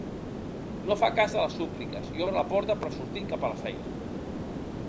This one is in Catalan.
No fa cas de les súpliques i obre la porta per sortir cap a la feina.